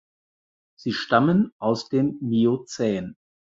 Sie stammen aus dem Miozän.